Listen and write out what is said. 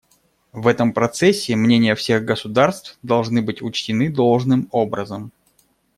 В этом процессе мнения всех государств должны быть учтены должным образом.